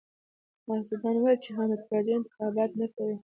حاسدانو ويل چې حامد کرزی انتخابات نه کوي.